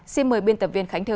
xin mời biên tập viên khánh thư